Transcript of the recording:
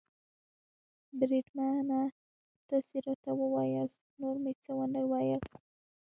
بریدمنه، تاسې راته ووایاست، نور مې څه و نه ویل.